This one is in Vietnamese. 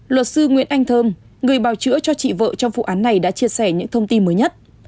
luật sư nguyễn anh thơm người bào chữa cho chị vợ trong vụ án này đã chia sẻ những thông tin mới nhất